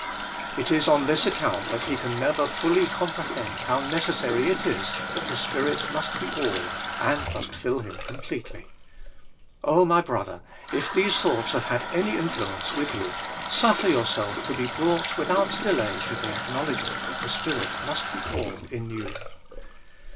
It is on this account that he can never fully comprehend how neces sary it is that the Spirit must be all and must fill him completely. my brother, if these thoughts hare had any influence with you, surfer yourself to be brought without delay to the acknowledgment that the Spirit must be all in you.